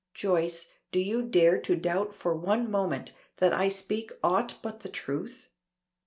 Joyce, do you dare to doubt for one moment that I speak aught but the truth?